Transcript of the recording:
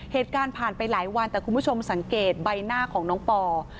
เหตุการณ์ผ่านไปหลายวันแต่คุณผู้ชมสังเกตใบหน้าของน้องปอ